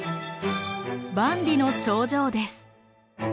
万里の長城です。